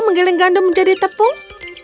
menggiling gandum menjadi tepung